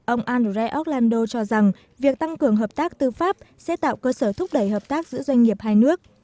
ông andre oklandro cho rằng việc tăng cường hợp tác tư pháp sẽ tạo cơ sở thúc đẩy hợp tác giữa doanh nghiệp hai nước